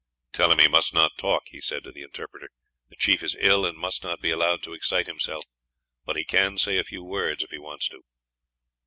"Tell him he must not talk," he said to the interpreter; "the chief is ill and must not be allowed to excite himself. But he can say a few words, if he wants to."